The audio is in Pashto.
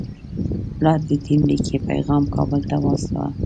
لارډ لیټن لیکلی پیغام کابل ته واستاوه.